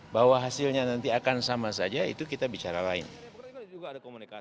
bahwa hasilnya nanti akan sama saja itu kita bicara lain